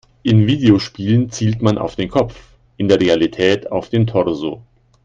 In Videospielen zielt man auf den Kopf, in der Realität auf den Torso.